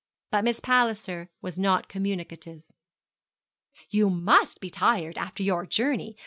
But Miss Palliser was not communicative. 'You must be tired after your journey.